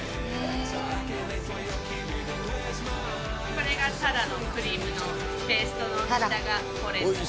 これがタラのクリームのペーストの下がポレンタ。